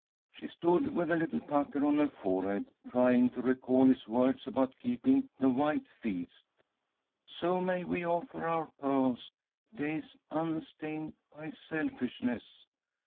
She stood with a little pucker on her forehead, trying to recall his words about keeping the White Feast. "So may we offer our pearls, days unstained by selfishness."